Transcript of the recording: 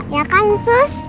ya kan sus